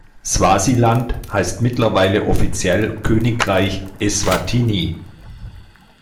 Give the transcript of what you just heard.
Swasiland heißt mittlerweile offiziell Königreich Eswatini.